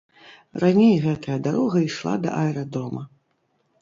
Раней гэтая дарога ішла да аэрадрома.